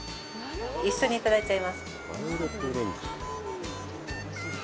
一緒にいただいちゃいます。